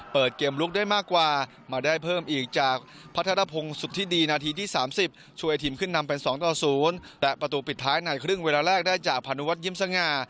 เปิดเกมลุกได้มากกว่า